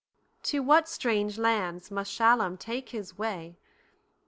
To what strange lands must Shalum take his way?